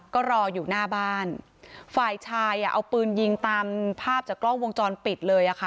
ก็รออยู่หน้าบ้านฝ่ายชายอ่ะเอาปืนยิงตามภาพจากกล้องวงจรปิดเลยอ่ะค่ะ